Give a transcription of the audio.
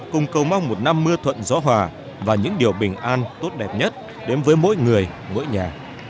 cùng cầu mong một năm mưa thuận gió hòa và những điều bình an tốt đẹp nhất đến với mỗi người mỗi nhà